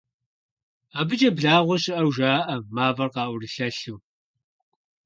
АбыкӀэ благъуэ щыӀэу жаӀэ, мафӀэр къыӀурылъэлъу.